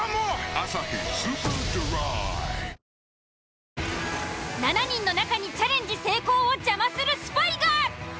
「アサヒスーパードライ」７人の中にチャレンジ成功を邪魔するスパイが！